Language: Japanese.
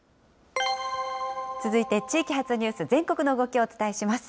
続いて地域発ニュース、全国の動きをお伝えします。